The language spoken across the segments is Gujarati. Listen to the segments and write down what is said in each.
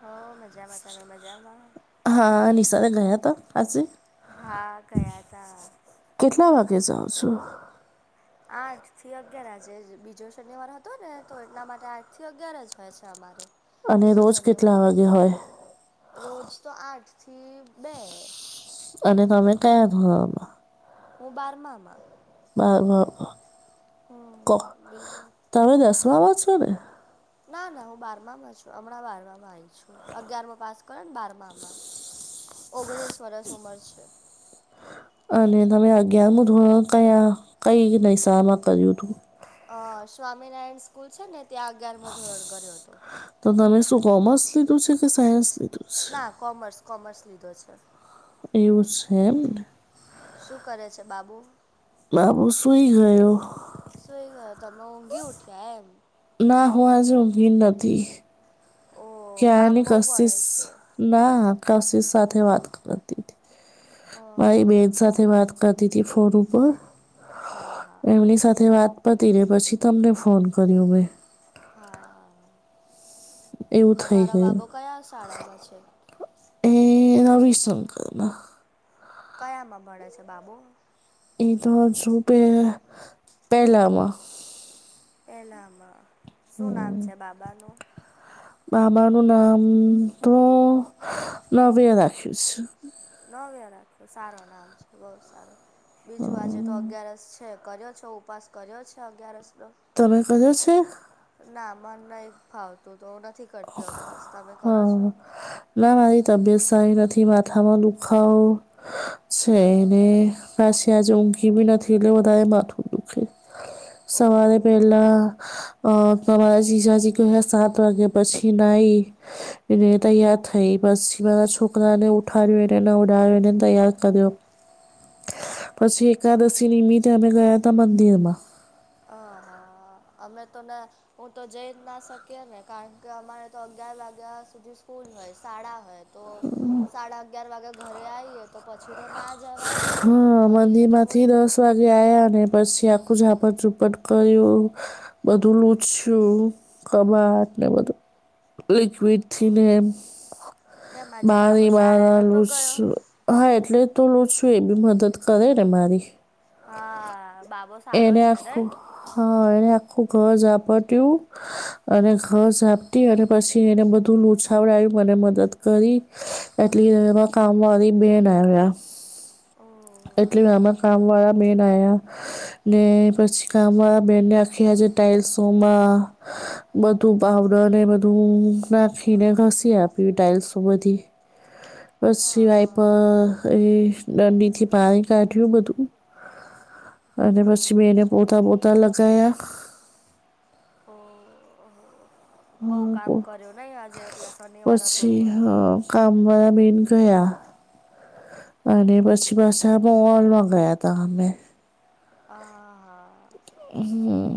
હ હ મજામાં તમે મજામાં હા નિશાને ગયા ત અજ હા ગયા તા કેટલા વાગે જાઉં છું આઠ થી અગિયાર જ બીજો શનિવાર હતો ને તો એટલા માટે આઠ થી અગિયાર જ હોય છે અમારે બીજો શનિવાર રોજ તો આઠ થી બે અને તમે કયા ધોરણમાં હું બારમામાં બ ક કોક તમે દસમાં છો ને ના ના હું બારમા માં છું હમણાં બારમામાં આવી છું અગિયારમાં પાસ કર્યો ને બારમામાં ઓગણીસ વર્ષ ઉંમર છે. અને તમે અગયારધ કયા કઈ નશામાં કર્યું હતું અ સ્વામિનારાયણ સ્કૂલ છે ને ત્યાં અગિયારમાં ધોરણ કર્યો હતો તો તમે શું કોમર્સ લીધું છે, કે સાયન્સ લીધું છે. ના કોમર્સ કોમર્સ લીધો છે એયુ છે એમ શું કરે છે બાબો. બાબુ સુઈ ગયો. ના હોવા જો ઉમીદ નથી. કયારની કસીસ ના કશી સાથે વાત કરતી મારી બેહેન સાથે વાત કરતી હતી ફોન ઉપર એમની સાથે વાત પતી ને પછી તમને ફોન કર્યો મેં હા તમારા બાબો કયા શાળામાં છે. એ નવીશંકરમાં કયામાં ભણે છે બાબો એ તો શું કે પહેલામાં એલામાં શું નામ છે બાબાનું બાબાનું નામ તો નવે રાખ્યું છે ન વેરાય સારું નામ છે બહું સારું નામ બીજું આજે તો અગિયારસ છે કર્યો છો ઉપાસ કર્યો છે અગિયારસ નો તમે કર્યો છે? ના, મન નઈ ફાવતું તો હું નથી હ. ના મારી તબિયત સારી નથી માથામાં દુખાવો છે ને પાસી આજે ઊંઘી બી નથી એટલે વધારે માથું દુખે. સવારે પહેલા અ અમારા જીજાજી કહયા સાત વાગે પછી નાઈ. એને તૈયાર થઈ પસી મારા છોકરાને ઉઠાડયો એને નવડાવીને એને તૈયાર કર્યો. પછી એકાદશી નિમિતે અમે ગયા તા મંદિરમાં. અ હ અમે તો ને હું તો જઈ જ ના શકીએ ને કારણ કે અમારે તો અગિયાર વાગ્યા સુધી સ્કૂલ હોય શાળા હોય. તો સાડા અગિયાર વાગ્યા ઘરે આવીએ તો પછી તો ના જવાય ને મંદિરે તો થોડી જવાય એ આયા અને પછી આખું ઝાપટ ઝૂપટ કર્યું બધું લૂચ્છયુ કબાટને બધું. લિક્વિડથીને એમ બારી બારણાં લુછુ. હા એટલે જ તો લુછુ છું એ બી મદદ કરે ને મારી. હા બાબો સારો છે નઈ? હા એણે આખું ઘર ઝાપટીયુ. અને ઘર ઝાપટી અને પછી એણે બધું લૂછાવડાયુ મને મદદ કરી. એટલી હ કામવાળી બેન આવ્યા. એટલે આમાં કામ વાળા બેન આયા. ને પછી કામમાં બેનને આખી આજે ટાઈલ્સોમાં બધું પાવડર ને બધું નાખીને ઘસી આપી ટાઇલ્સ બધી [inaudible] બસ સિવાય પણ એ દંડીથી પાણી કાઢ્યું બધું અને પછી મેં એને પોતા પોતા લગાયા ઓહ હ પછી કામવાળા બેન ગયા અને પછી પાછા મોલમાં ગયા તા અમે હા હા હમ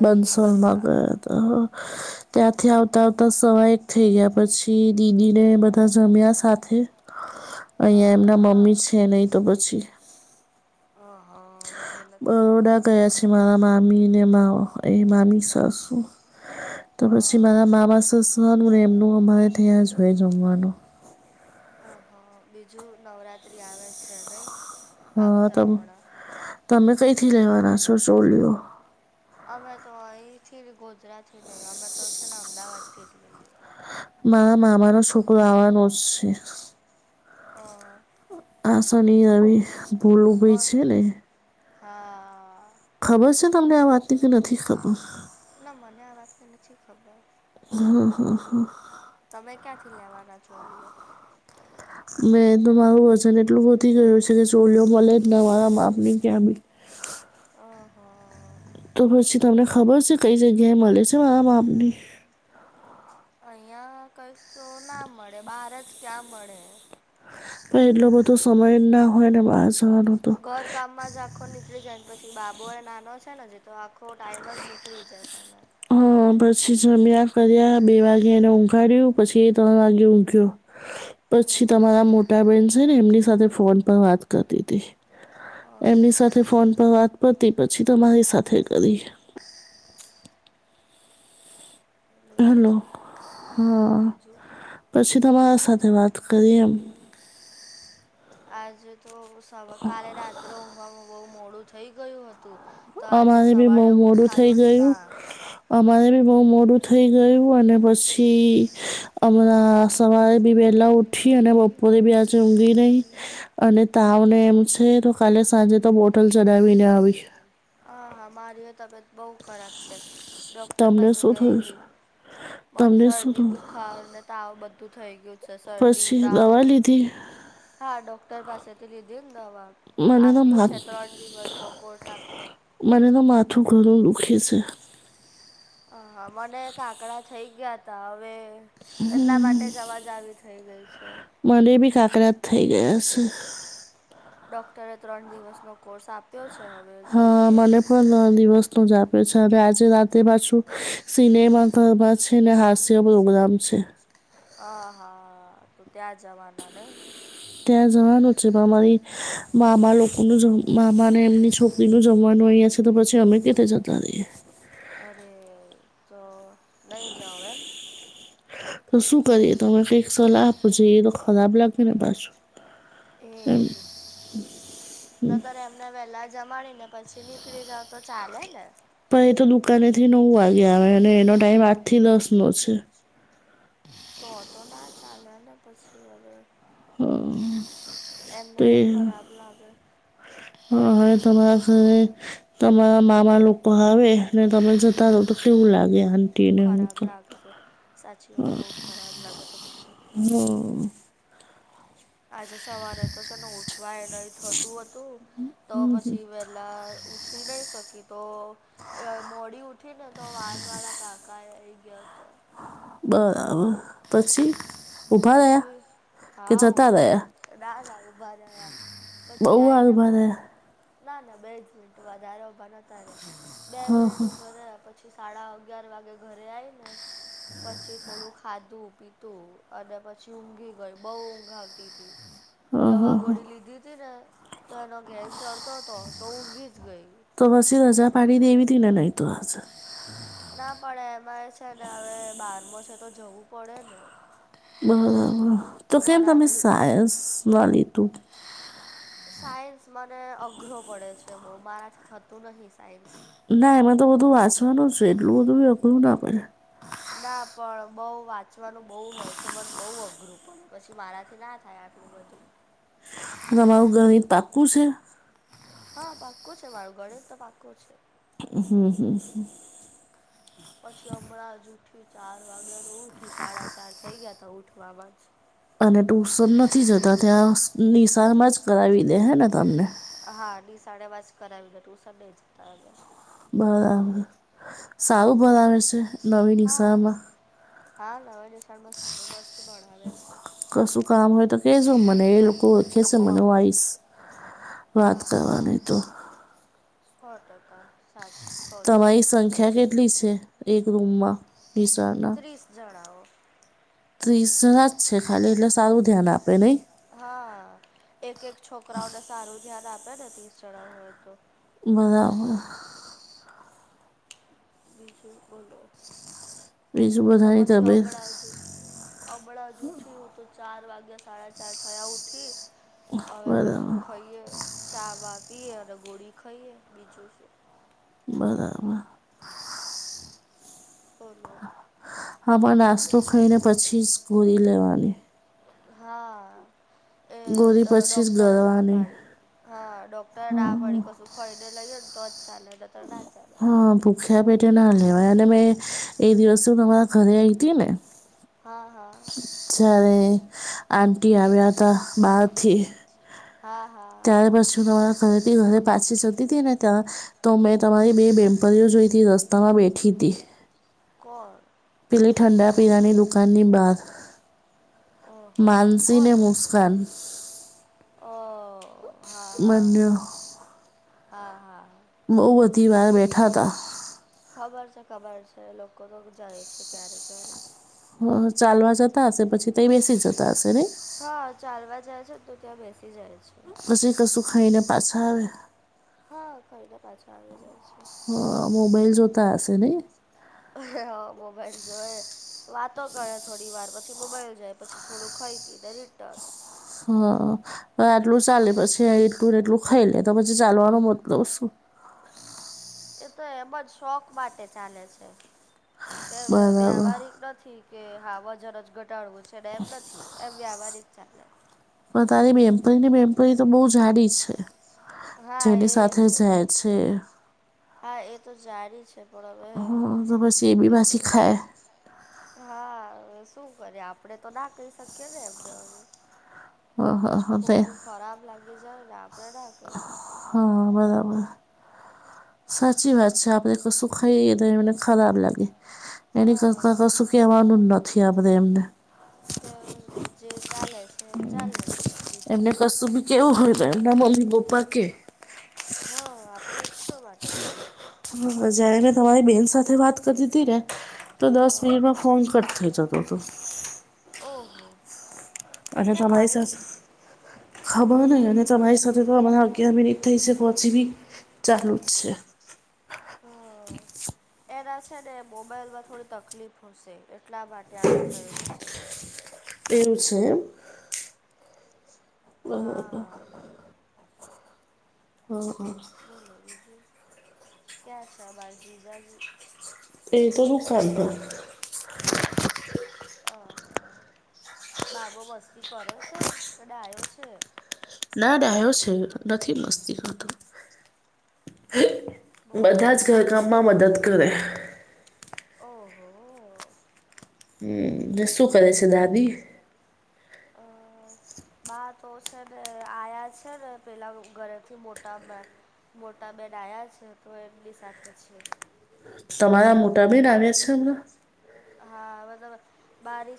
બંસોલ માં ગયા હતા ત્યાંથી આવતા આવતા સવા એક થઈ ગયા પછી દીદી ને બધા જમ્યા સાથે અહિંયા એમના મમ્મી છે નહી તો પછી અ ડ ગયા છે મારા મામી ને મા એ મામી સાસું તો પછી મારા મામા સસરાનું ને એમનું અમારે ત્યાં જ હોય જમવાનું અહા બીજું નવરાત્ર્રી આવે છે નહી હા તમ તમે કઈ થી લેવાના છો ચોલીઓ? અમે તો અહી થી ગોધરા થી નહી અમે તો છે ને અમદાવાદ થી જ લઈએ મા મામા નો છોકરો આવાનું છે. હા આ શનિ રવિ મસ્ત હા ખબર છે તમને આ વાતની કે નથી ખબર? ના મને આ વાત ની નથી ખબર. હા હા હા તમે ક્યાંથી લેવાના ચોલીઓ? મેં તો મારું વજન એટલું વધી ગયું છે કે ચોલીઓ મળે જ ના મારા માપ ની ક્યાં બી ઓહો તો પછી તમને ખબર છે કઈ જગ્યાએ મળે છે મારા માપની? અહિયાં કંઇક તો ના મળે બહાર જ ક્યાં મળે એટલો બધો સમય જ ના હોય ને બહારસુ ઘર કામમાં જ આ ખો નીકળી જાયને પછી બાબો એ નાનો છે ને જે તો આખો ટાઈમ જ નીકળી જાય સમય હા પછી જમ્યા કર્યા બે વાગ્યે એને ઊંઘાડ્યું પછી ત્રણ વાગે ઊંઘ્યો પછી તમારા મોટા બેન છે ને એમની સાથે ફોન પર વાત કરતી હતી. એમની સાથે ફોન પર વાત પતિ પછી તમારી સાથે કરી હેલો હા પછી તમારા સાથે વાત કરી એમ આજે તો સ કાલે રાત્રે ઊંઘવામાં બહુ મોડું થઈ ગયું હતું અમારે બી બહુ મોડું થઈ ગયું અમારે બી બહુ મોડું થઈ ગયું અને પછી અમરા સવારે બી વહેલા ઉઠી અને બપોરે બી આજે ઊઘી નહી અને તાવને એમ છે તો કાલે સાંજે તો બોટલ ચડાવીને આવી હા હા મારી એ તબિયત બહુ ખરાબ છે. ડોક્ટર પાસે ગયેલી મન શરદી, બુખાર, ને તાવ બધું થઈ ગયું શરદી, તાવ, હા ડોક્ટર પાસેથી લીધી ને દવા. આપ્યું છે ત્રણ દિવસનો કોર્સ આપ્યો. મને તો માથું ઘણું દુખે છે હા હા મને એક આકડા થઈ ગયા હતા હવે એટલા માટે માટે જ અવાજ આવી થઈ ગઈ છે મને બી કાકરાત થઈ ગયા છે ડોક્ટરે ત્રણ દિવસ નો કોર્સ આપ્યો છે હવે જોઈએ પણ દિવસ તો જ આપે છે અને આજે રાતેે પાછું સિનેમા છે ને હાસ તેવું પ્રોગ્રમ છેં હ હા તું ત્યાં જવાના ને ત્યાં જવાનું છે પણ અમારી મામા લોકોનું જ મામાને એમની છોકરી નું જમવાનું અહીં છે તો પછી અમે કે જતા રહીએ અરે તો નહીં જાઓ એમ તો શું કરીએ તમે કઈક સલાહ આપો જોઈએ તો ખરાબ લાગે ને પાછું તેજ નત એમને વેલા જ જમાડી ને પછી નીકળી જાવ તો ચાલે ને પણ એ તો દુકાનેથી નવ વાગે આવે અને એનો ટાઈમ આઠ થી દસ નો છે તો તો ના ચાલે ને પછી હવે હ એમને ખરાબ લાગે હવે તમારે સાથે તમારા મામા લોકો આવે ને તમે જતા રહો તો કેવું લાગે આને ખરાબ લાગે છે સાચી વાત બહુ ખરાબ લાગે પછી તો હમ્મ આજે સવારે તો છે ને ઉઠવાય નહી થતું હતું તો પછી વહેલાં ઊઠી નહીં શકી તો મોડી ઉઠી ને તો વાન વાળા કાકા એ આઈ ગયા તો બરાબર પછી પછી હા ઉભા ના ના ઊભા રહ્યા પછી આવીને ના ના બે જ મિનિટ વધારે ઊભા નતા રહિયા બે મિનિટ ઉભરે પછી સાડા અગિયાર વાગે ઘરે આવી ને પછી થોડું ખાધું પી તો અને પછી ઊંઘી ગઈ બહુ ઊંઘ આવતી હતી દવા ગોડી લીધી હતી ને તો એનો ઘેન ચડતો હતો તો ઊંઘી જ ગઈ તો પછી રજા પાડી દેવી તિને નહી તો ના પણ એમાં એ છે ને હવે બારમાં છે તો જવું પડે ને, બરાબર તો કેમ તમે સાયન્સ ન લીધું. સાયન્સ મને અઘરો પડે છે, બહુ મારાથી થતું નહીં સાયન્સ. ના એમાં તો બધું વાંચવાનું જ છે એટલું બધું અઘરું ના પડે. ના પણ બઉુ વાંચવાનું બહુ હોય છે મને બહુ અઘરું પડ્યું પછી મારાથી ના થયા, એ બધું, તમારું ગણિત પાકું છે. હા પાકો છે મારુ ગણિત પાકું છે. હમ્મ હમ્મ હમ્મ પછી હમણા જ ઉઠ્યું ચાર વાગ્યા તો ઉઠી સાડા ચાર થઇ ગયા થિયા ઉઠવાવામાંજ અને ટ્યુશન નથી જતા ત્યાં નિશાળ મા જ કરાવી દે હે ને તમને, હા ડી સાડા વાંચ કરાવી દે તું સંડે જતા હ બરાબર સારું ભણાવે સે નવી ડિસામા. હા નવા [unintelligible] સારું મસ્ત ભણાવે છે. કશું કામ હોય તો કેજ મને એ લોકો બો ઓછી છેં મને વાઇસ વાત કરવાની તો, હો ટકા સાચ તમારી સંખ્યા કેટલી છે એક રૂમમાં, ત્રીસ જણાઓ. ત્રીસ જ છે ખાલી એટલે સારું ધ્યાન આપે નહીં. હા એક એક છોકરાઓને સારું ધ્યાન આપે ને ત્રીસ જણા હોય તો. બરાબર. બીજું બોલો તો પછી અબળાવજો. હમણાં જ ઉઠી તો ચાર વાગ્યા સાડા ચાર થયા ઉઠી. હવે કશું ખાઈએ ચા બાપીએ અને ગોળી ખાઈએ બીજું શું. બરાબર. બોલો. હા પણ નાસ્તો ખાઈને પછી જ ગોરી લેવાની. હા. એ ડો ડોક્ટરે ના પાડી હા ડોક્ટરે ના પાડી કશું ખઈ લને તો અ ચા નડા અા [inaudible] [unintelligible] [inaudible] ભૂખ્યા પેટે ના લેવાય અને મેં એ દિવસ શું તમારા ઘરે આઈ હતી ને. હા હા. જ્યારે આંટી આવ્યા તા બાર થી હા હા. ત્યારે પાછું તારા ઘરેથી ઘરે પાછી જતી તી ને ત્યાં તો મેં તમારી બે બેનપણીઓ જોઈ હતી રસ્તામાં બેઠી હતી. કોણ? પેલી ઠંડા પીણાની દુકાનની બાર માનસી ને મુસ્કાન. ઓ હા હા હા હા હા. બહુ બધી વાર બેઠા હતા. ખબર છે ખબર છે લોકો તો જાય છે ક્યારે ક્યારે. હ ચાલવા જતા હશે પછી તં બેસી જતા હશે ને? હા ચાલવા જાય છે તો ત્યાં બેસી જાય છે. પછી કશું ખાઈને પાછા આવે.. હા ખ‌ઇ ને પાછો આવી જાય છે. હા મોબાઈલ જોતા હસે ન‌ઇ? મોબાઈલ જોએ. વાતો કરે થોડી વાર પછી મોબાઈલ જાય પછી થોડું ખઈ પીને રિટર્ન. હમ. આટલું ચાલે પછી એટલું ને એટલું ખાઈ લે તો પછી ચાલવાનો મતલબ શું. એ તો એમ જ શોખ માટે ચાલે છે કે વ્ય વ્યવહારિક નથી. કે હા વજન જ ઘટાડવું છે ને એમ નથી એમ વ્યવહારિક ચાલે. પણ તારી બેનપણી ને બેનપણી તો બહુ જાડી છે જેની સાથે જાય. છે. હા એ તો જાડી છે પણ હવે એ. હા શું કરીએ આપણેે તો ના કહી શકીએ ને એમને હવે. પછ ખોટું ખરાબ લાગી જાય. હા બરાબર. સાચી વાત છે આપને કશું ખાઈએ તો મને ખરાબ લાગે. એની કરતા કશું કેવાનું નથી આપડે એમને. [unintelligible] જે ચાલેે છે એ ચાલે. એમને કશું બી કેવું હોય એમના મમ્મી પપ્પા કે. હા આપણે એકસો માટે કહીએ. હું જયારે તમારે બેન સાથે વાત કરીતી હતી ને તો દસ મિનિટમાં. ફોન કટ થઈ જતો હતો. ઓહો.. અન્યથા અમારી સંસ્થ ખબર નય અનેને તમારી સાથે તો અમારે અગિયાર ને ત્રીસે પહોંચીતી. ચાલુ જ છે. [inaudible] એના છે ને મોબાઈલમાં થોડી તકલીફ હશે, એટલા માટે આવું થયું હશે. એમ છે એમ? હા! હમ હમ [unintelligible] ક્યા છે અમાર જીજાજી? એ તો [unintelligible] અહ.. બાબો મસ્તી કરે છે કે ડાયો છે? ના ડાયો છે. નથી મસ્તી કરતો. બધા જ ઘરકામમાં મદદ કરે. ઓ.. હો.. હમ ને શું કરે છે દાદી? તો બા તો છેને આયા છે ને પેલા ઘરેથી મોટા મે મોટાબેન આયાં છે તો એમની સાથે છે. તમારા મોટા બેન આવ્યા છે હમણાં? હા, અમે તો બારિશ